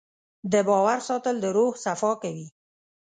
د باور ساتل د روح صفا کوي.